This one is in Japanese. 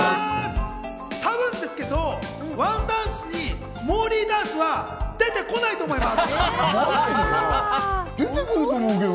多分ですけど、『ワンダンス』に、モーリーダンスは出てこないと思います！